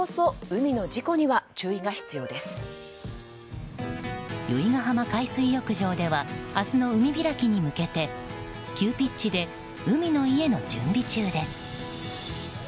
海水浴場では明日の海開きに向けて急ピッチで海の家の準備中です。